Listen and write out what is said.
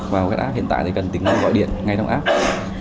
và các app hiện tại thì cần tính năng gọi điện ngay trong app